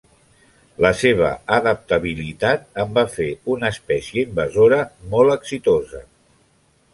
La seva adaptabilitat en va fer una espècie invasora molt exitosa.